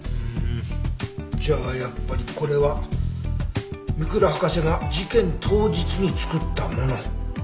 じゃあやっぱりこれは三倉博士が事件当日に作ったもの。